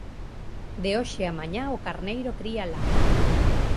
De hoxe a mañá o carneiro cría la